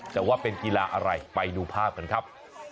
แต่ว่าเป็นกีฬาอะไรไปดูภาพกันครับ